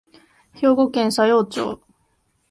兵庫県佐用町